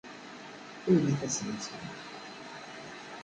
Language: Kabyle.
Awi-d ifassen-nsen.